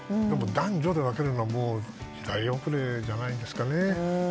でも、男女で分けるのはもう時代遅れじゃないですかね。